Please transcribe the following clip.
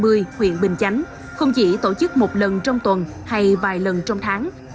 tại quốc lộ năm mươi huyện bình chánh không chỉ tổ chức một lần trong tuần hay vài lần trong tháng